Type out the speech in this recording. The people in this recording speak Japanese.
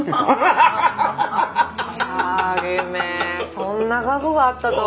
そんな過去があったとは。